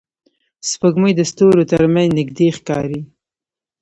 سپوږمۍ د ستورو تر منځ نږدې ښکاري